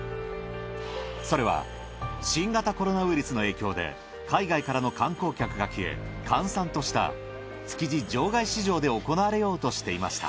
それは新型コロナウイルスの影響で海外からの観光客が消え閑散とした築地場外市場で行われようとしていました。